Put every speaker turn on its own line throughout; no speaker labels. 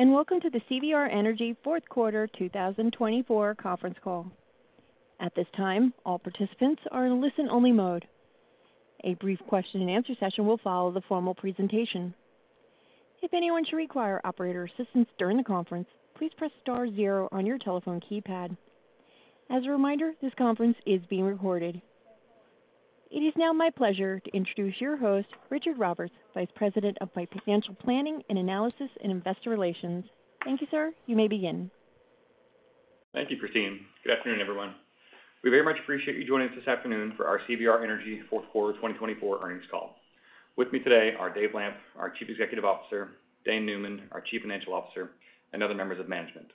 And welcome to the CVR Energy fourth quarter 2024 conference call. At this time, all participants are in listen-only mode. A brief question-and-answer session will follow the formal presentation. If anyone should require operator assistance during the conference, please press star zero on your telephone keypad. As a reminder, this conference is being recorded. It is now my pleasure to introduce your host, Richard Roberts, Vice President of Financial Planning and Analysis and Investor Relations. Thank you, sir. You may begin.
Thank you, Christine. Good afternoon, everyone. We very much appreciate you joining us this afternoon for our CVR Energy fourth quarter 2024 earnings call. With me today are Dave Lamp, our Chief Executive Officer, Dane Neumann, our Chief Financial Officer, and other members of management.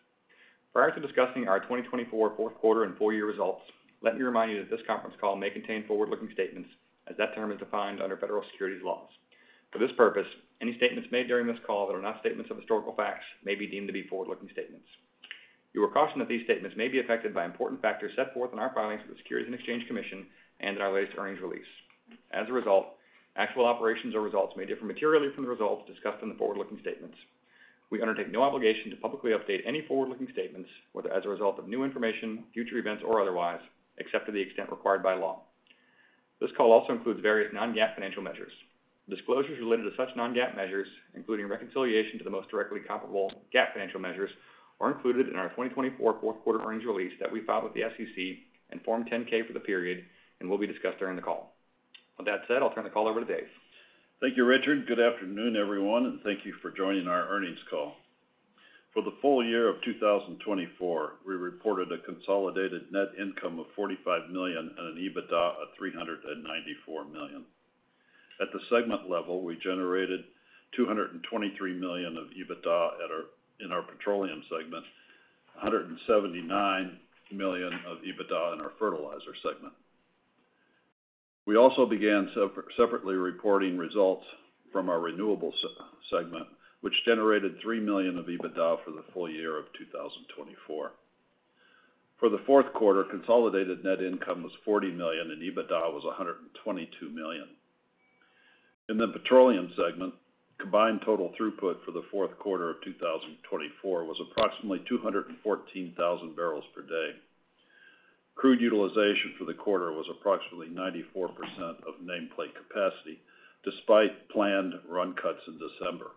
Prior to discussing our 2024 fourth quarter and full-year results, let me remind you that this conference call may contain forward-looking statements as that term is defined under federal securities laws. For this purpose, any statements made during this call that are not statements of historical facts may be deemed to be forward-looking statements. You are cautioned that these statements may be affected by important factors set forth in our filings of the Securities and Exchange Commission and in our latest earnings release. As a result, actual operations or results may differ materially from the results discussed in the forward-looking statements. We undertake no obligation to publicly update any forward-looking statements, whether as a result of new information, future events, or otherwise, except to the extent required by law. This call also includes various non-GAAP financial measures. Disclosures related to such non-GAAP measures, including reconciliation to the most directly comparable GAAP financial measures, are included in our 2024 fourth quarter earnings release that we filed with the SEC in Form 10-K for the period and will be discussed during the call. With that said, I'll turn the call over to Dave.
Thank you, Richard. Good afternoon, everyone, and thank you for joining our earnings call. For the full year of 2024, we reported a consolidated net income of $45 million and an EBITDA of $394 million. At the segment level, we generated $223 million of EBITDA in our petroleum segment, $179 million of EBITDA in our fertilizer segment. We also began separately reporting results from our renewables segment, which generated $3 million of EBITDA for the full year of 2024. For the fourth quarter, consolidated net income was $40 million and EBITDA was $122 million. In the petroleum segment, combined total throughput for the fourth quarter of 2024 was approximately 214,000 barrels per day. Crude utilization for the quarter was approximately 94% of nameplate capacity, despite planned run cuts in December,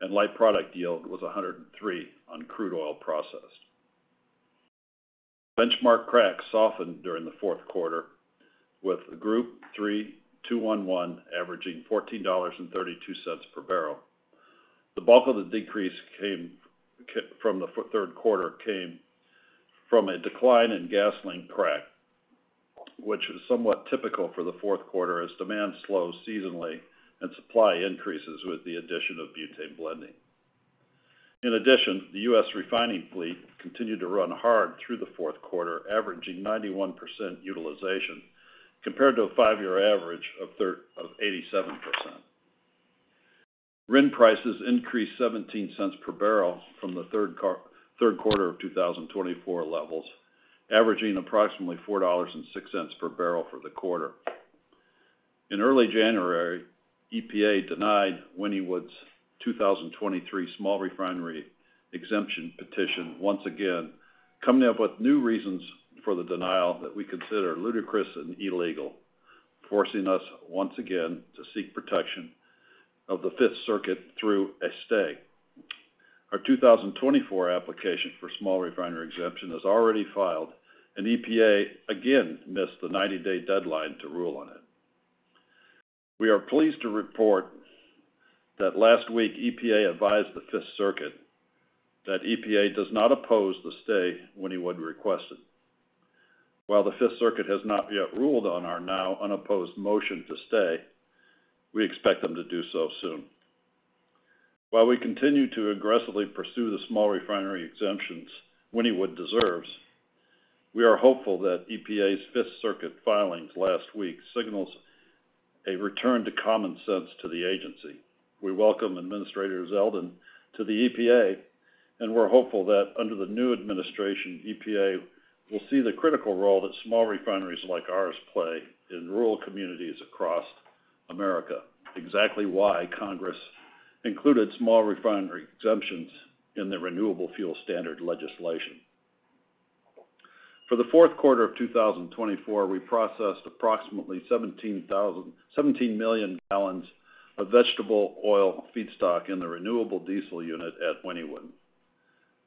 and light product yield was $103 on crude oil processed. Benchmark cracks softened during the fourth quarter, with Group 3 2-1-1 averaging $14.32 per barrel. The bulk of the decrease from the third quarter came from a decline in gasoline crack, which was somewhat typical for the fourth quarter as demand slows seasonally and supply increases with the addition of butane blending. In addition, the U.S. refining fleet continued to run hard through the fourth quarter, averaging 91% utilization compared to a five-year average of 87%. RIN prices increased $0.17 per barrel from the third quarter of 2024 levels, averaging approximately $4.06 per barrel for the quarter. In early January, EPA denied Wynnewood's 2023 small refinery exemption petition once again, coming up with new reasons for the denial that we consider ludicrous and illegal, forcing us once again to seek protection of the Fifth Circuit through a stay. Our 2024 application for small refinery exemption is already filed, and EPA again missed the 90-day deadline to rule on it. We are pleased to report that last week, EPA advised the Fifth Circuit that EPA does not oppose the stay Wynnewood request it. While the Fifth Circuit has not yet ruled on our now unopposed motion to stay, we expect them to do so soon. While we continue to aggressively pursue the small refinery exemptions Wynnewood deserves, we are hopeful that EPA's Fifth Circuit filings last week signal a return to common sense to the agency. We welcome Administrator Zeldin to the EPA, and we're hopeful that under the new administration, EPA will see the critical role that small refineries like ours play in rural communities across America, exactly why Congress included small refinery exemptions in the renewable fuel standard legislation. For the fourth quarter of 2024, we processed approximately 17 million gallons of vegetable oil feedstock in the renewable diesel unit at Wynnewood.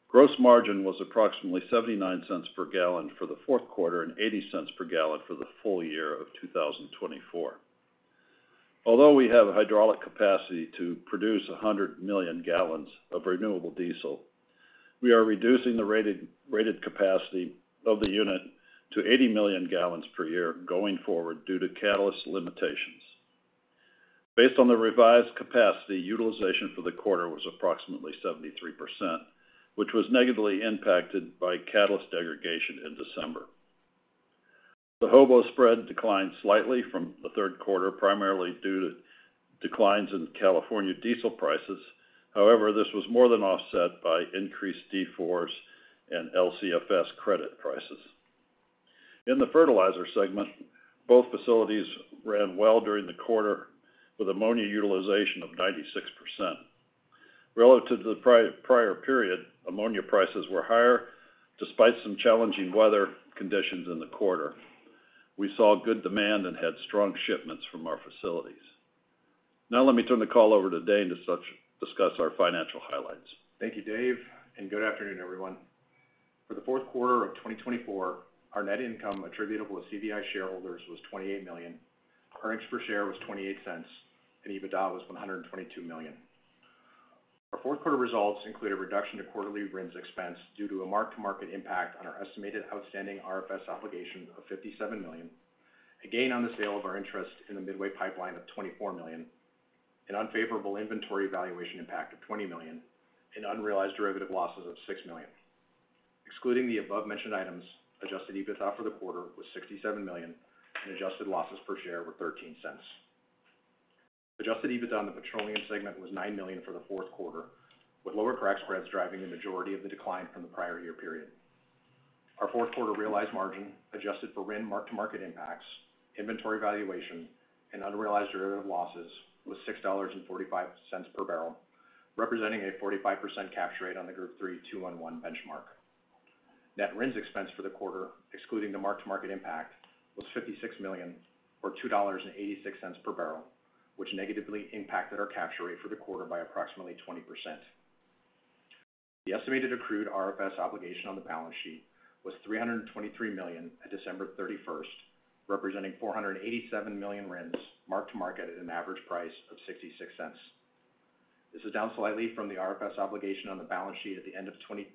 Gross margin was approximately $0.79 per gallon for the fourth quarter and $0.80 per gallon for the full year of 2024. Although we have hydraulic capacity to produce 100 million gallons of renewable diesel, we are reducing the rated capacity of the unit to 80 million gallons per year going forward due to catalyst limitations. Based on the revised capacity, utilization for the quarter was approximately 73%, which was negatively impacted by catalyst aggregation in December. The HOBO spread declined slightly from the third quarter, primarily due to declines in California diesel prices. However, this was more than offset by increased D4s and LCFS credit prices. In the fertilizer segment, both facilities ran well during the quarter, with ammonia utilization of 96%. Relative to the prior period, ammonia prices were higher despite some challenging weather conditions in the quarter. We saw good demand and had strong shipments from our facilities. Now let me turn the call over to Dane to discuss our financial highlights.
Thank you, Dave, and good afternoon, everyone. For the fourth quarter of 2024, our net income attributable to CVR shareholders was $28 million. Earnings per share was $0.28, and EBITDA was $122 million. Our fourth quarter results include a reduction to quarterly RINs expense due to a mark-to-market impact on our estimated outstanding RFS obligation of $57 million, a gain on the sale of our interest in the Midway Pipeline of $24 million, an unfavorable inventory valuation impact of $20 million, and unrealized derivative losses of $6 million. Excluding the above-mentioned items, adjusted EBITDA for the quarter was $67 million, and adjusted losses per share were $0.13. Adjusted EBITDA on the petroleum segment was $9 million for the fourth quarter, with lower crack spreads driving the majority of the decline from the prior year period. Our fourth quarter realized margin, adjusted for RIN mark-to-market impacts, inventory valuation, and unrealized derivative losses, was $6.45 per barrel, representing a 45% capture rate on the Group 3 2-1-1 benchmark. Net RINs expense for the quarter, excluding the mark-to-market impact, was $56 million, or $2.86 per barrel, which negatively impacted our capture rate for the quarter by approximately 20%. The estimated accrued RFS obligation on the balance sheet was $323 million at December 31st, representing $487 million RINs marked to market at an average price of $0.66. This is down slightly from the RFS obligation on the balance sheet at the end of 2023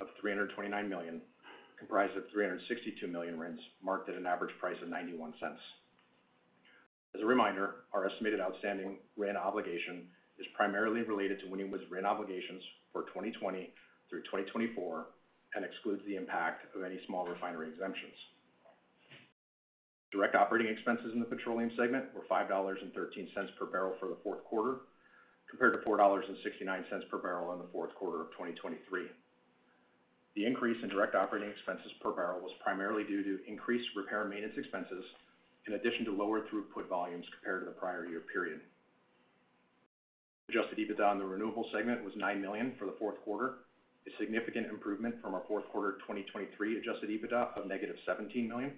of $329 million, comprised of $362 million RINs marked at an average price of $0.91. As a reminder, our estimated outstanding RIN obligation is primarily related to Wynnewood's RIN obligations for 2020 through 2024 and excludes the impact of any small refinery exemptions. Direct operating expenses in the petroleum segment were $5.13 per barrel for the fourth quarter, compared to $4.69 per barrel in the fourth quarter of 2023. The increase in direct operating expenses per barrel was primarily due to increased repair and maintenance expenses, in addition to lower throughput volumes compared to the prior year period. Adjusted EBITDA on the renewable segment was $9 million for the fourth quarter, a significant improvement from our fourth quarter 2023 adjusted EBITDA of negative $17 million.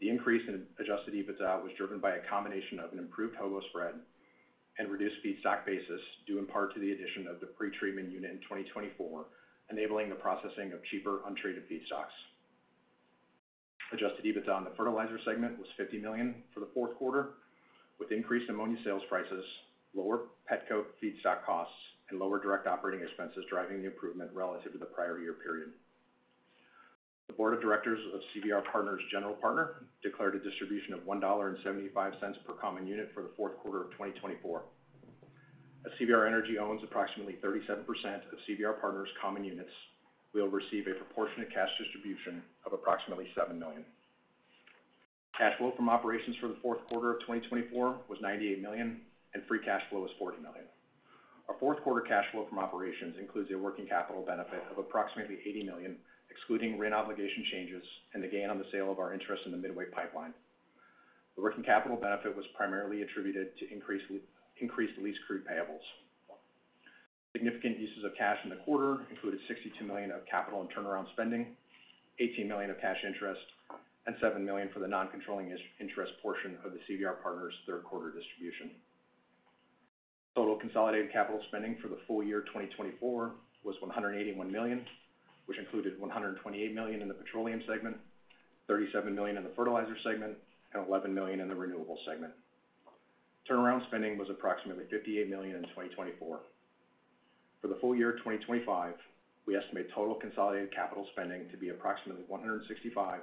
The increase in adjusted EBITDA was driven by a combination of an improved HOBO Spread and reduced feedstock basis due in part to the addition of the Pretreatment Unit in 2024, enabling the processing of cheaper untreated feedstocks. Adjusted EBITDA on the fertilizer segment was $50 million for the fourth quarter, with increased ammonia sales prices, lower petcoke feedstock costs, and lower direct operating expenses driving the improvement relative to the prior year period. The Board of Directors of CVR Partners' general partner declared a distribution of $1.75 per common unit for the fourth quarter of 2024. As CVR Energy owns approximately 37% of CVR Partners' common units, we will receive a proportionate cash distribution of approximately $7 million. Cash flow from operations for the fourth quarter of 2024 was $98 million, and free cash flow was $40 million. Our fourth quarter cash flow from operations includes a working capital benefit of approximately $80 million, excluding RIN obligation changes and the gain on the sale of our interest in the Midway Pipeline. The working capital benefit was primarily attributed to increased lease crew payables. Significant uses of cash in the quarter included $62 million of capital and turnaround spending, $18 million of cash interest, and $7 million for the non-controlling interest portion of the CVR Partners' third quarter distribution. Total consolidated capital spending for the full year 2024 was $181 million, which included $128 million in the petroleum segment, $37 million in the fertilizer segment, and $11 million in the renewable segment. Turnaround spending was approximately $58 million in 2024. For the full year 2025, we estimate total consolidated capital spending to be approximately $165-$205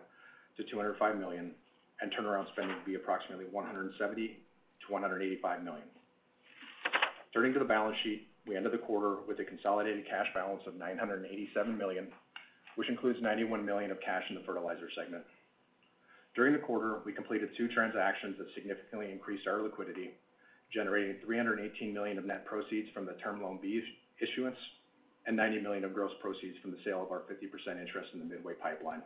million and turnaround spending to be approximately $170-$185 million. Turning to the balance sheet, we ended the quarter with a consolidated cash balance of $987 million, which includes $91 million of cash in the fertilizer segment. During the quarter, we completed two transactions that significantly increased our liquidity, generating $318 million of net proceeds from the Term Loan B issuance and $90 million of gross proceeds from the sale of our 50% interest in the Midway Pipeline.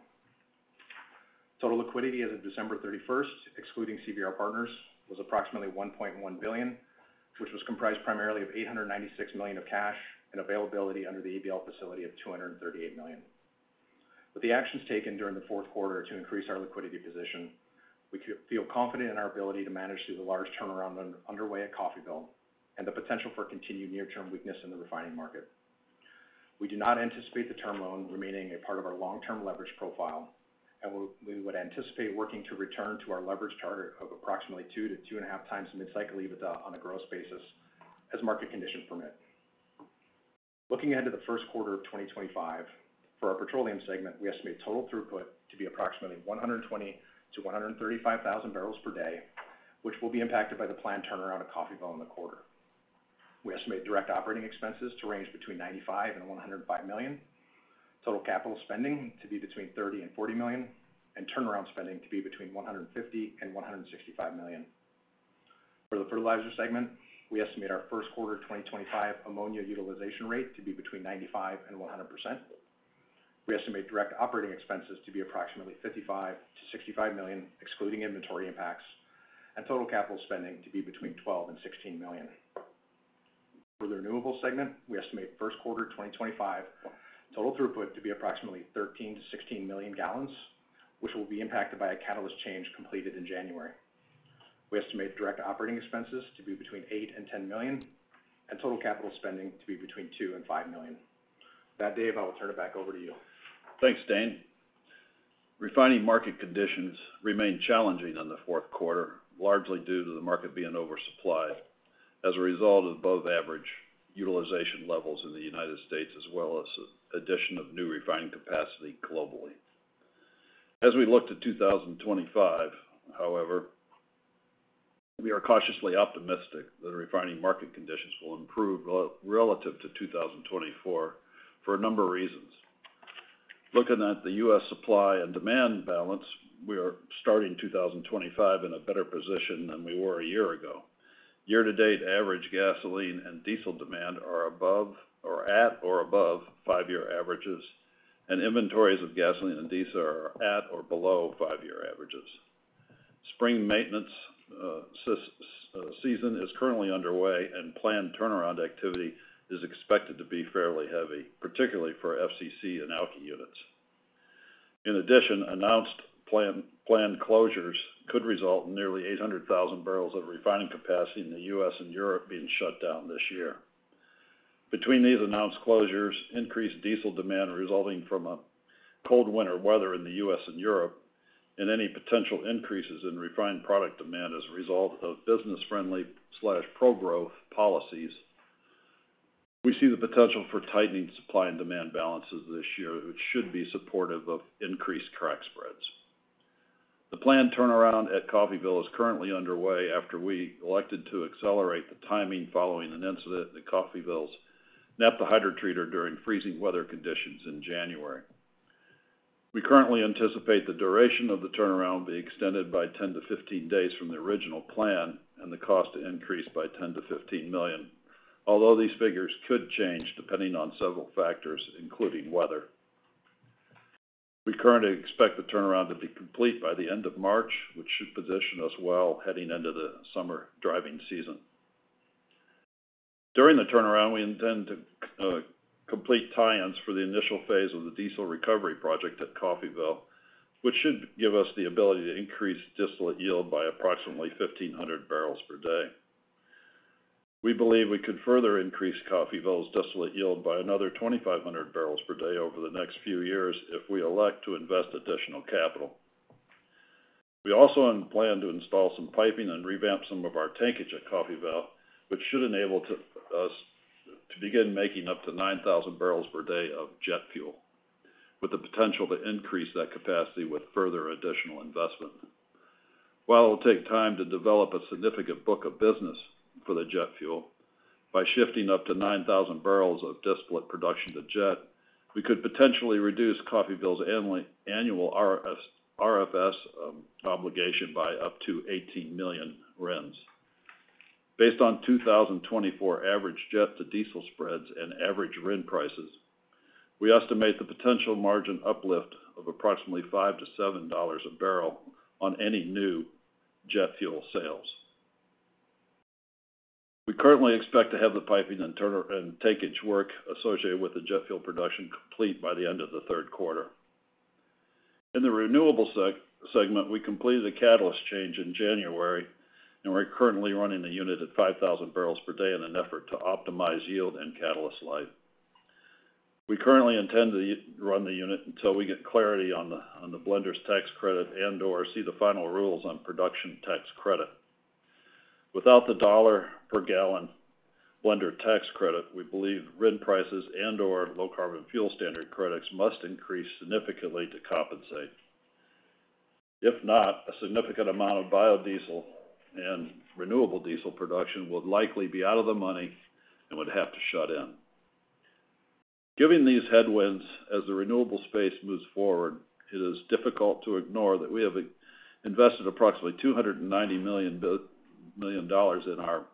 Total liquidity as of December 31st, excluding CVR Partners, was approximately $1.1 billion, which was comprised primarily of $896 million of cash and availability under the ABL facility of $238 million. With the actions taken during the fourth quarter to increase our liquidity position, we feel confident in our ability to manage through the large turnaround underway at Coffeyville and the potential for continued near-term weakness in the refining market. We do not anticipate the term loan remaining a part of our long-term leverage profile, and we would anticipate working to return to our leverage target of approximately two to two and a half times mid-cycle EBITDA on a gross basis as market conditions permit. Looking ahead to the first quarter of 2025, for our petroleum segment, we estimate total throughput to be approximately 120,000 to 135,000 barrels per day, which will be impacted by the planned turnaround at Coffeyville in the quarter. We estimate direct operating expenses to range between $95 and $105 million, total capital spending to be between $30 and $40 million, and turnaround spending to be between $150 and $165 million. For the fertilizer segment, we estimate our first quarter 2025 ammonia utilization rate to be between 95% and 100%. We estimate direct operating expenses to be approximately $55-$65 million, excluding inventory impacts, and total capital spending to be between $12-$16 million. For the renewable segment, we estimate first quarter 2025 total throughput to be approximately 13-16 million gallons, which will be impacted by a catalyst change completed in January. We estimate direct operating expenses to be between $8-$10 million and total capital spending to be between $2-$5 million. That, Dave, I will turn it back over to you.
Thanks, Dane. Refining market conditions remain challenging in the fourth quarter, largely due to the market being oversupplied as a result of both average utilization levels in the United States as well as the addition of new refining capacity globally. As we look to 2025, however, we are cautiously optimistic that refining market conditions will improve relative to 2024 for a number of reasons. Looking at the U.S. supply and demand balance, we are starting 2025 in a better position than we were a year ago. Year-to-date average gasoline and diesel demand are above or at five-year averages, and inventories of gasoline and diesel are at or below five-year averages. Spring maintenance season is currently underway, and planned turnaround activity is expected to be fairly heavy, particularly for FCC and Alky units. In addition, announced planned closures could result in nearly 800,000 barrels of refining capacity in the U.S. and Europe being shut down this year. Between these announced closures, increased diesel demand resulting from cold winter weather in the U.S. and Europe, and any potential increases in refined product demand as a result of business-friendly/pro-growth policies, we see the potential for tightening supply and demand balances this year, which should be supportive of increased crack spreads. The planned turnaround at Coffeyville is currently underway after we elected to accelerate the timing following an incident at Coffeyville's naphtha hydrotreater during freezing weather conditions in January. We currently anticipate the duration of the turnaround being extended by 10-15 days from the original plan and the cost to increase by $10-$15 million, although these figures could change depending on several factors, including weather. We currently expect the turnaround to be complete by the end of March, which should position us well heading into the summer driving season. During the turnaround, we intend to complete tie-ins for the initial phase of the diesel recovery project at Coffeyville, which should give us the ability to increase distillate yield by approximately 1,500 barrels per day. We believe we could further increase Coffeyville's distillate yield by another 2,500 barrels per day over the next few years if we elect to invest additional capital. We also plan to install some piping and revamp some of our tankage at Coffeyville, which should enable us to begin making up to 9,000 barrels per day of jet fuel, with the potential to increase that capacity with further additional investment. While it will take time to develop a significant book of business for the jet fuel, by shifting up to 9,000 barrels of distillate production to jet, we could potentially reduce Coffeyville's annual RFS obligation by up to $18 million RINs. Based on 2024 average jet-to-diesel spreads and average RIN prices, we estimate the potential margin uplift of approximately $5-$7 a barrel on any new jet fuel sales. We currently expect to have the piping and tankage work associated with the jet fuel production complete by the end of the third quarter. In the renewable segment, we completed a catalyst change in January, and we're currently running the unit at 5,000 barrels per day in an effort to optimize yield and catalyst life. We currently intend to run the unit until we get clarity on the blender's tax credit and/or see the final rules on production tax credit. Without the dollar-per-gallon blender's tax credit, we believe RIN prices and/or Low Carbon Fuel Standard credits must increase significantly to compensate. If not, a significant amount of biodiesel and renewable diesel production would likely be out of the money and would have to shut in. Given these headwinds, as the renewable space moves forward, it is difficult to ignore that we have invested approximately $290 million in our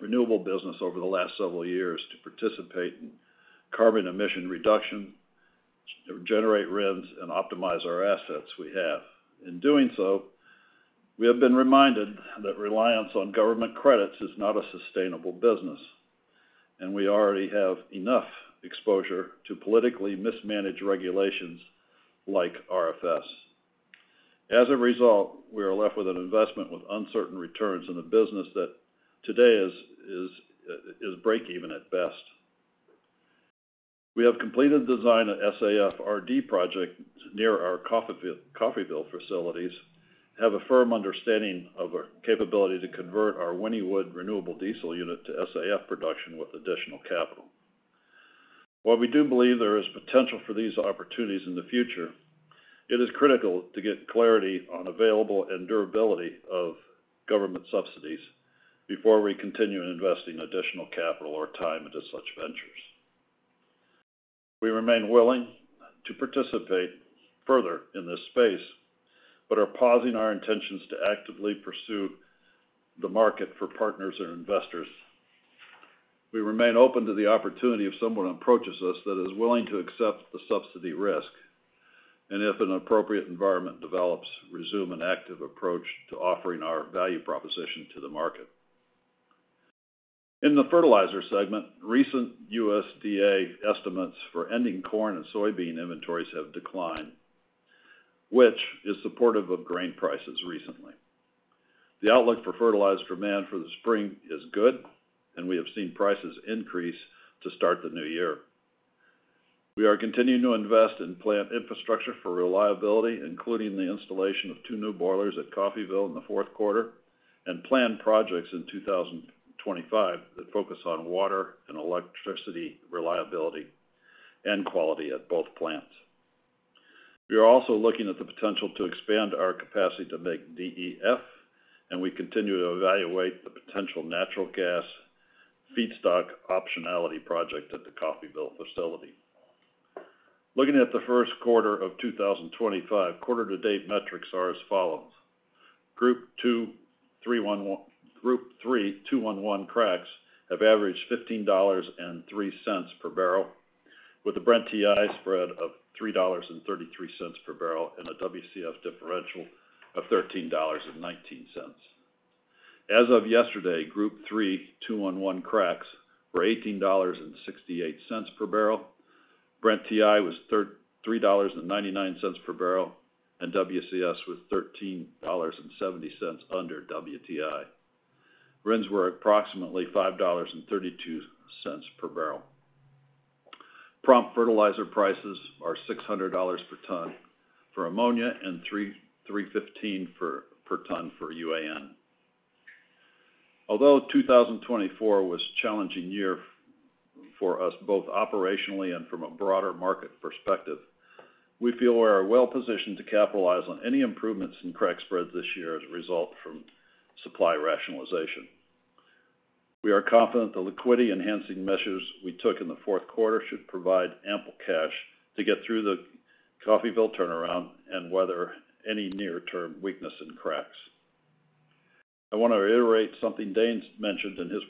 renewable business over the last several years to participate in carbon emission reduction, generate RINs, and optimize our assets we have. In doing so, we have been reminded that reliance on government credits is not a sustainable business, and we already have enough exposure to politically mismanaged regulations like RFS. As a result, we are left with an investment with uncertain returns in the business that today is break-even at best. We have completed the design of SAF RD project near our Coffeyville facilities and have a firm understanding of our capability to convert our Wynnewood renewable diesel unit to SAF production with additional capital. While we do believe there is potential for these opportunities in the future, it is critical to get clarity on available and durability of government subsidies before we continue investing additional capital or time into such ventures. We remain willing to participate further in this space but are pausing our intentions to actively pursue the market for partners and investors. We remain open to the opportunity if someone approaches us that is willing to accept the subsidy risk and, if an appropriate environment develops, resume an active approach to offering our value proposition to the market. In the fertilizer segment, recent USDA estimates for ending corn and soybean inventories have declined, which is supportive of grain prices recently. The outlook for fertilizer demand for the spring is good, and we have seen prices increase to start the new year. We are continuing to invest in plant infrastructure for reliability, including the installation of two new boilers at Coffeyville in the fourth quarter and planned projects in 2025 that focus on water and electricity reliability and quality at both plants. We are also looking at the potential to expand our capacity to make DEF, and we continue to evaluate the potential natural gas feedstock optionality project at the Coffeyville facility. Looking at the first quarter of 2025, quarter-to-date metrics are as follows. Group 3 1-1 cracks have averaged $15.03 per barrel, with a Brent WTI spread of $3.33 per barrel and a WCS differential of $13.19. As of yesterday, Group 3 2-1-1 cracks were $18.68 per barrel. Brent-WTI was $3.99 per barrel, and WCS was $13.70 under WTI. RINs were approximately $5.32 per barrel. Prompt fertilizer prices are $600 per ton for ammonia and $3.15 per ton for UAN. Although 2024 was a challenging year for us both operationally and from a broader market perspective, we feel we are well-positioned to capitalize on any improvements in crack spreads this year as a result from supply rationalization. We are confident the liquidity-enhancing measures we took in the fourth quarter should provide ample cash to get through the Coffeyville turnaround and weather any near-term weakness in cracks. I want to reiterate something Dane mentioned in his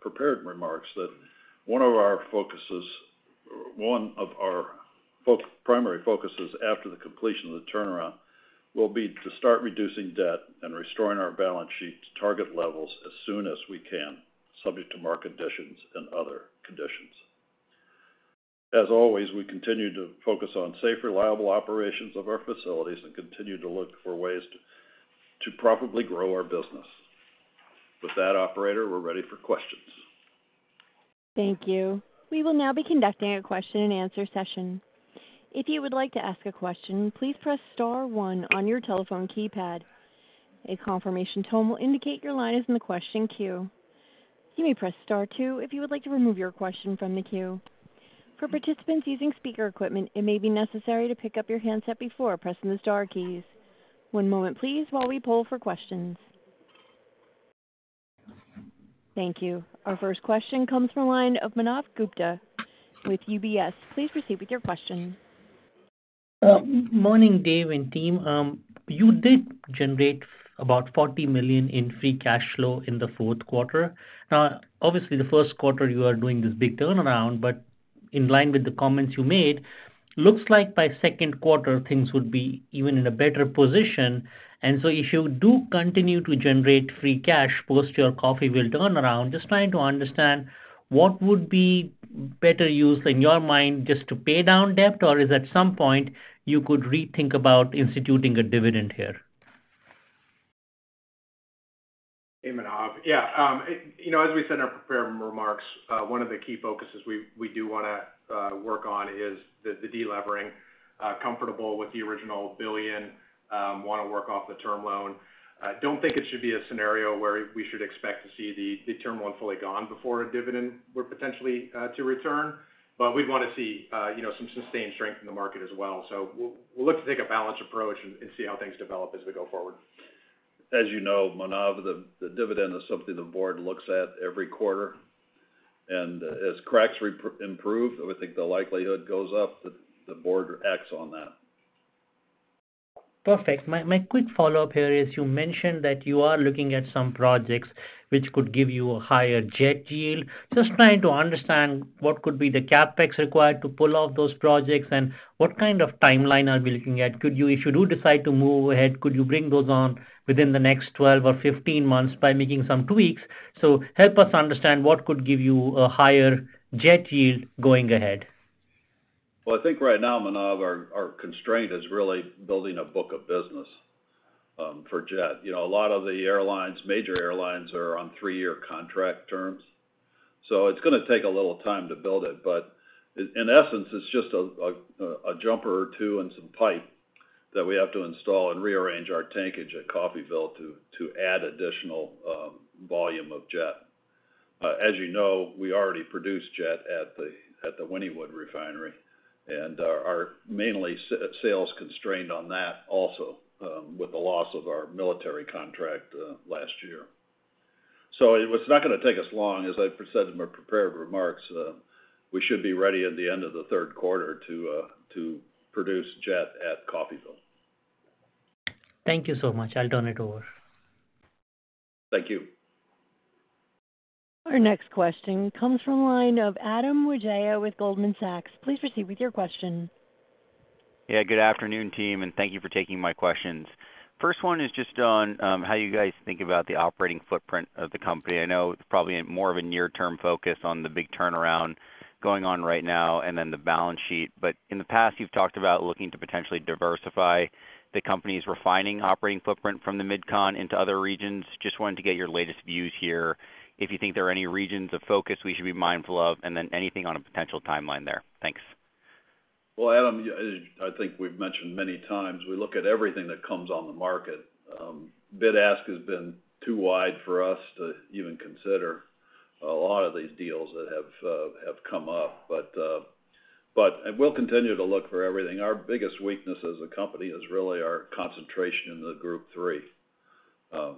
prepared remarks: that one of our focuses, one of our primary focuses after the completion of the turnaround, will be to start reducing debt and restoring our balance sheet to target levels as soon as we can, subject to market conditions and other conditions. As always, we continue to focus on safe, reliable operations of our facilities and continue to look for ways to profitably grow our business. With that, Operator, we're ready for questions.
Thank you. We will now be conducting a question-and-answer session. If you would like to ask a question, please press Star 1 on your telephone keypad. A confirmation tone will indicate your line is in the question queue. You may press Star 2 if you would like to remove your question from the queue. For participants using speaker equipment, it may be necessary to pick up your handset before pressing the Star keys. One moment, please, while we poll for questions. Thank you. Our first question comes from a line of Manav Gupta with UBS. Please proceed with your question.
Morning, Dave and team. You did generate about $40 million in Free Cash Flow in the fourth quarter. Now, obviously, the first quarter, you are doing this big turnaround, but in line with the comments you made, it looks like by second quarter, things would be even in a better position. And so if you do continue to generate Free Cash Flow post your Coffeyville turnaround, just trying to understand what would be better used in your mind, just to pay down debt, or is at some point you could rethink about instituting a dividend here?
Hey, Manav. Yeah. As we said in our prepared remarks, one of the key focuses we do want to work on is the delevering. Comfortable with the original $1 billion, want to work off the term loan. Don't think it should be a scenario where we should expect to see the term loan fully gone before a dividend were potentially to return, but we'd want to see some sustained strength in the market as well. So we'll look to take a balanced approach and see how things develop as we go forward.
As you know, Manav, the dividend is something the board looks at every quarter. And as cracks improve, we think the likelihood goes up that the board acts on that.
Perfect. My quick follow-up here is you mentioned that you are looking at some projects which could give you a higher jet yield. Just trying to understand what could be the CapEx required to pull off those projects and what kind of timeline are we looking at? If you do decide to move ahead, could you bring those on within the next 12 or 15 months by making some tweaks? So help us understand what could give you a higher jet yield going ahead.
I think right now, Manav, our constraint is really building a book of business for jet. A lot of the airlines, major airlines, are on three-year contract terms. So it's going to take a little time to build it, but in essence, it's just a jumper or two and some pipe that we have to install and rearrange our tankage at Coffeyville to add additional volume of jet. As you know, we already produce jet at the Wynnewood refinery and are mainly sales constrained on that also with the loss of our military contract last year. So it's not going to take us long. As I've said in my prepared remarks, we should be ready at the end of the third quarter to produce jet at Coffeyville.
Thank you so much. I'll turn it over.
Thank you.
Our next question comes from a line of Adam Wijaya with Goldman Sachs. Please proceed with your question.
Yeah. Good afternoon, team, and thank you for taking my questions. First one is just on how you guys think about the operating footprint of the company. I know it's probably more of a near-term focus on the big turnaround going on right now and then the balance sheet. But in the past, you've talked about looking to potentially diversify the company's refining operating footprint from the MidCon into other regions. Just wanted to get your latest views here. If you think there are any regions of focus we should be mindful of, and then anything on a potential timeline there. Thanks.
Adam, I think we've mentioned many times, we look at everything that comes on the market. Bid-ask has been too wide for us to even consider a lot of these deals that have come up, but we'll continue to look for everything. Our biggest weakness as a company is really our concentration in the Group 3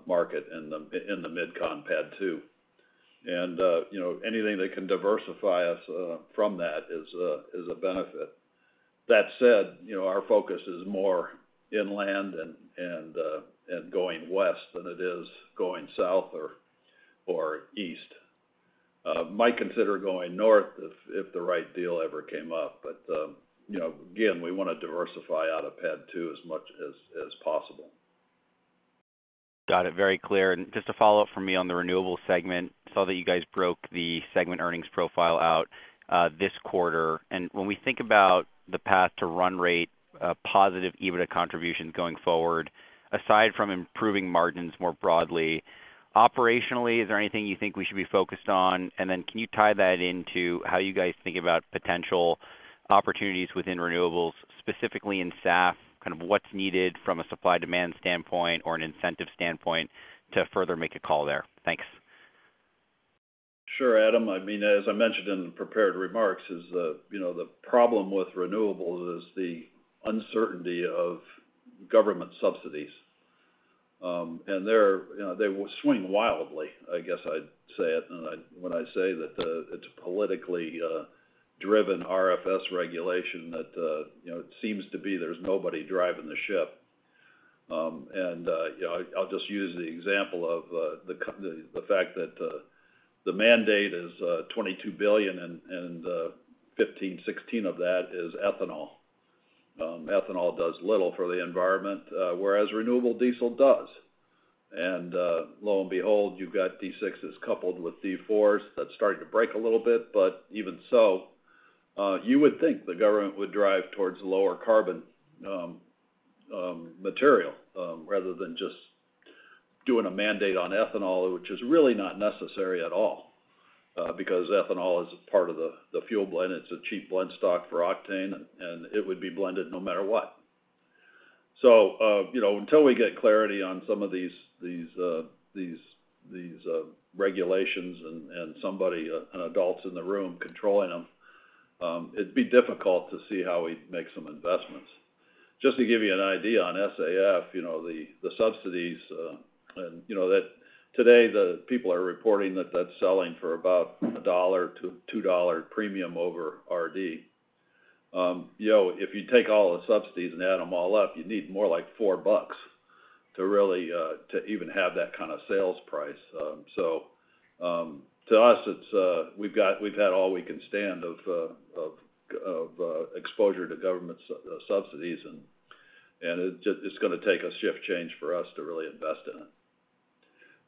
market and the MidCon PADD 2. Anything that can diversify us from that is a benefit. That said, our focus is more inland and going west than it is going south or east. Might consider going north if the right deal ever came up, but again, we want to diversify out of PADD 2 as much as possible.
Got it. Very clear. And just a follow-up from me on the renewable segment. Saw that you guys broke the segment earnings profile out this quarter. And when we think about the path to run rate positive EBITDA contributions going forward, aside from improving margins more broadly, operationally, is there anything you think we should be focused on? And then can you tie that into how you guys think about potential opportunities within renewables, specifically in SAF, kind of what's needed from a supply-demand standpoint or an incentive standpoint to further make a call there? Thanks.
Sure, Adam. I mean, as I mentioned in the prepared remarks, the problem with renewables is the uncertainty of government subsidies, and they swing wildly. I guess I'd say it when I say that it's a politically driven RFS regulation that it seems to be there's nobody driving the ship, and I'll just use the example of the fact that the mandate is $22 billion, and 15, 16 of that is ethanol. Ethanol does little for the environment, whereas renewable diesel does. And lo and behold, you've got D6s coupled with D4s that's starting to break a little bit, but even so, you would think the government would drive towards lower carbon material rather than just doing a mandate on ethanol, which is really not necessary at all because ethanol is part of the fuel blend. It's a cheap blend stock for octane, and it would be blended no matter what. So until we get clarity on some of these regulations and somebody, an adult in the room controlling them, it'd be difficult to see how we'd make some investments. Just to give you an idea on SAF, the subsidies, and today, the people are reporting that that's selling for about $1-$2 premium over RD. If you take all the subsidies and add them all up, you need more like $4 to really even have that kind of sales price. So to us, we've had all we can stand of exposure to government subsidies, and it's going to take a shift change for us to really invest in it.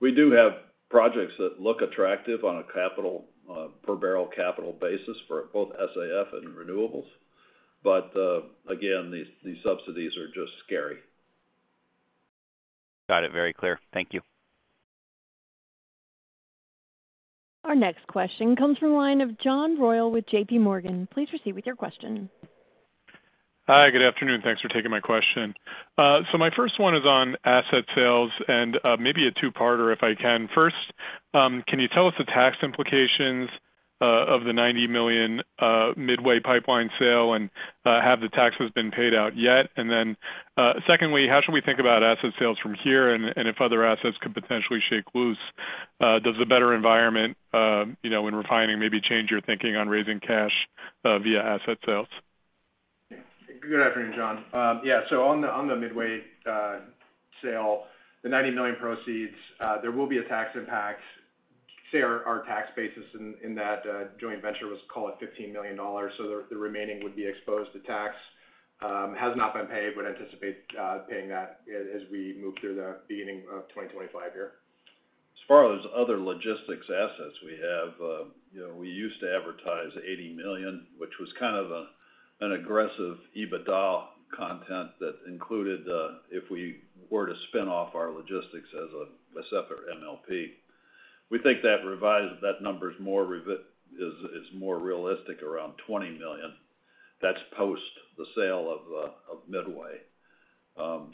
We do have projects that look attractive on a per-barrel capital basis for both SAF and renewables, but again, these subsidies are just scary.
Got it. Very clear. Thank you.
Our next question comes from a line of John Royall with JPMorgan. Please proceed with your question.
Hi. Good afternoon. Thanks for taking my question. So my first one is on asset sales and maybe a two-parter if I can. First, can you tell us the tax implications of the $90 million Midway Pipeline sale, and have the taxes been paid out yet? And then secondly, how should we think about asset sales from here? And if other assets could potentially shake loose, does a better environment in refining maybe change your thinking on raising cash via asset sales?
Good afternoon, John. Yeah. So on the Midway sale, the $90 million proceeds, there will be a tax impact. Say our tax basis in that joint venture was, call it, $15 million, so the remaining would be exposed to tax. Has not been paid, but anticipate paying that as we move through the beginning of 2025 here.
As far as other logistics assets we have, we used to advertise $80 million, which was kind of an aggressive EBITDA component that included if we were to spin off our logistics as a separate MLP. We think that number is more realistic around $20 million. That's post the sale of Midway.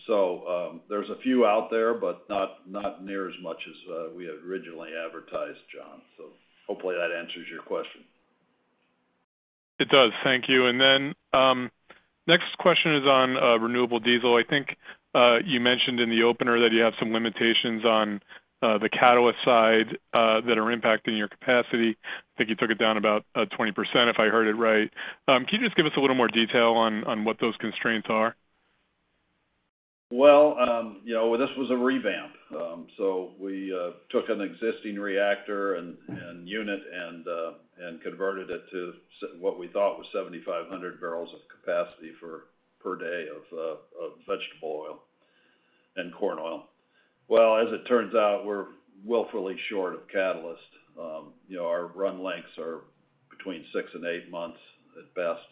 So there's a few out there, but not near as much as we had originally advertised, John. So hopefully that answers your question.
It does. Thank you. And then next question is on renewable diesel. I think you mentioned in the opener that you have some limitations on the catalyst side that are impacting your capacity. I think you took it down about 20%, if I heard it right. Can you just give us a little more detail on what those constraints are?
This was a revamp. So we took an existing reactor and unit and converted it to what we thought was 7,500 barrels of capacity per day of vegetable oil and corn oil. Well, as it turns out, we're woefully short of catalyst. Our run lengths are between six and eight months at best.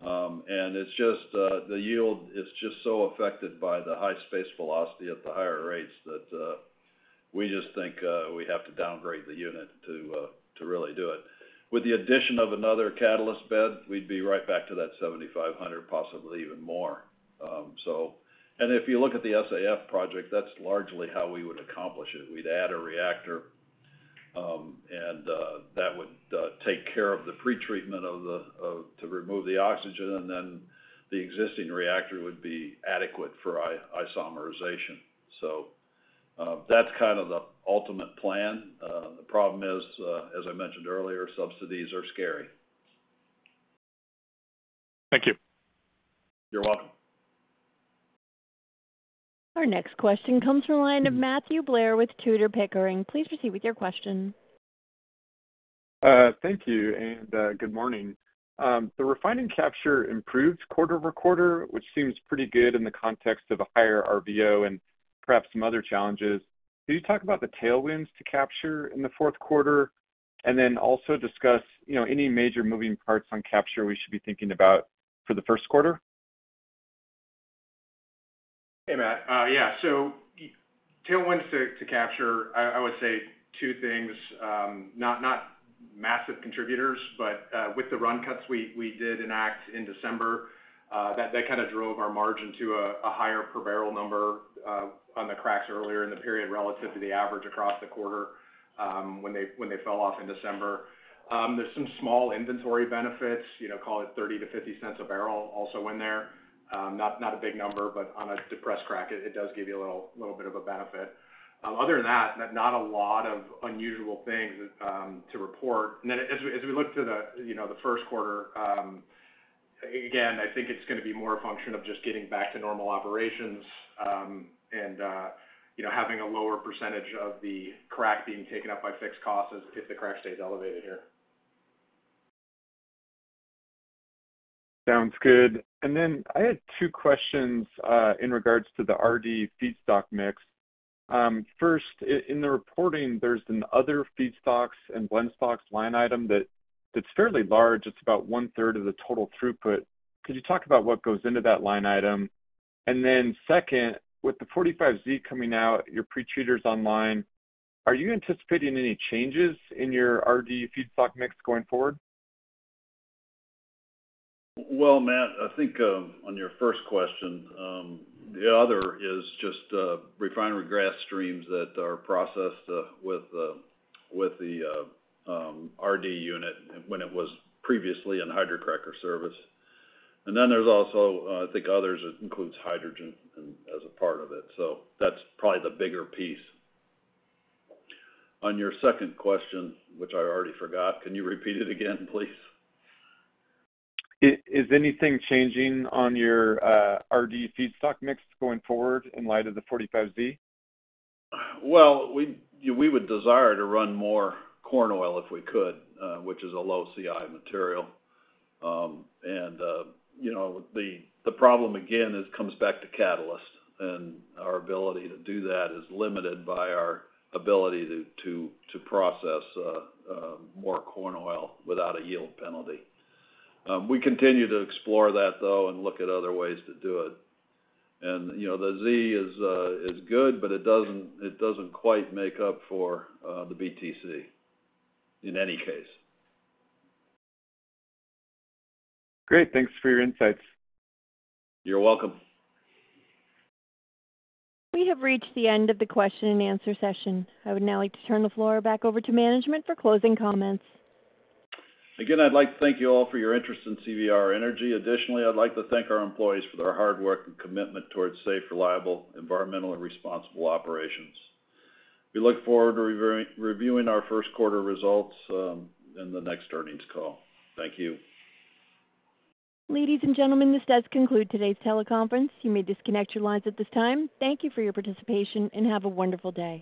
And the yield is just so affected by the high space velocity at the higher rates that we just think we have to downgrade the unit to really do it. With the addition of another catalyst bed, we'd be right back to that 7,500, possibly even more. And if you look at the SAF project, that's largely how we would accomplish it. We'd add a reactor, and that would take care of the pretreatment to remove the oxygen, and then the existing reactor would be adequate for isomerization. So that's kind of the ultimate plan. The problem is, as I mentioned earlier, subsidies are scary.
Thank you.
You're welcome.
Our next question comes from a line of Matthew Blair with Tudor Pickering. Please proceed with your question.
Thank you and good morning. The refining capture improves quarter over quarter, which seems pretty good in the context of a higher RVO and perhaps some other challenges. Can you talk about the tailwinds to capture in the fourth quarter and then also discuss any major moving parts on capture we should be thinking about for the first quarter?
Hey, Matt. Yeah. So tailwinds to capture, I would say two things. Not massive contributors, but with the run cuts we did enact in December, that kind of drove our margin to a higher per-barrel number on the cracks earlier in the period relative to the average across the quarter when they fell off in December. There's some small inventory benefits, call it $0.30-$0.50 a barrel also in there. Not a big number, but on a depressed crack, it does give you a little bit of a benefit. Other than that, not a lot of unusual things to report. As we look to the first quarter, again, I think it's going to be more a function of just getting back to normal operations and having a lower percentage of the crack being taken up by fixed costs if the crack stays elevated here.
Sounds good. And then I had two questions in regards to the RD feedstock mix. First, in the reporting, there's another feedstocks and blend stocks line item that's fairly large. It's about one-third of the total throughput. Could you talk about what goes into that line item? And then second, with the 45Z coming out, your pretreaters online, are you anticipating any changes in your RD feedstock mix going forward?
Matt, I think on your first question, the other is just refinery gas streams that are processed with the RD unit when it was previously in hydrocracker service. And then there's also, I think others that include hydrogen as a part of it. So that's probably the bigger piece. On your second question, which I already forgot, can you repeat it again, please?
Is anything changing on your RD feedstock mix going forward in light of the 45Z?
We would desire to run more corn oil if we could, which is a low-CI material. And the problem, again, comes back to Catalyst, and our ability to do that is limited by our ability to process more corn oil without a yield penalty. We continue to explore that, though, and look at other ways to do it. And the Z is good, but it doesn't quite make up for the BTC in any case.
Great. Thanks for your insights.
You're welcome.
We have reached the end of the question-and-answer session. I would now like to turn the floor back over to management for closing comments.
Again, I'd like to thank you all for your interest in CVR Energy. Additionally, I'd like to thank our employees for their hard work and commitment towards safe, reliable, environmentally responsible operations. We look forward to reviewing our first quarter results in the next earnings call. Thank you.
Ladies and gentlemen, this does conclude today's teleconference. You may disconnect your lines at this time. Thank you for your participation, and have a wonderful day.